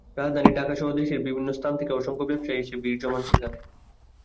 রাজধানী ঢাকাসহ দেশের বিভিন্ন স্থান থেকে অসংখ্য ব্যবসায়ী এসে ভিড় জমান এখানে।